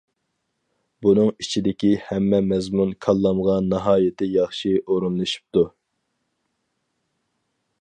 بۇنىڭ ئىچىدىكى ھەممە مەزمۇن كاللامغا ناھايىتى ياخشى ئورۇنلىشىپتۇ.